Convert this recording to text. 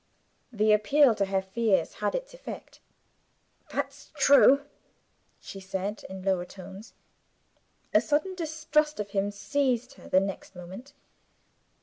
The appeal to her fears had its effect. "That's true," she said, in lowered tones. A sudden distrust of him seized her the next moment.